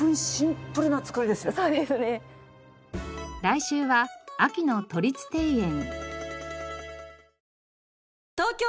来週は秋の都立庭園。